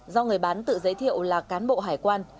do người bán tự giới thiệu là cán bộ hải quan